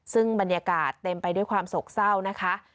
ซึ่งบรรยากาศเต็มไปด้วยความโศกเศร้านะคะ